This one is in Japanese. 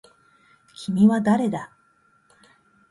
君は誰だ